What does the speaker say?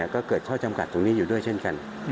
ก็เกิดข้อจำกัดตรงนี้อยู่ด้วยเช่นกัน